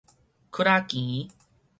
窟仔墘